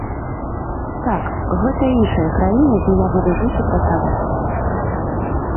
Так, гэта іншая краіна, дзе я буду жыць і працаваць.